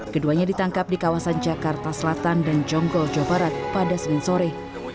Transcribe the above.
keduanya ditangkap di kawasan jakarta selatan dan jonggol jawa barat pada senin sore